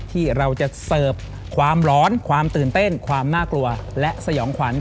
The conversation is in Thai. ที่เราจะเสิร์ฟความร้อนความตื่นเต้นความน่ากลัวและสยองขวัญ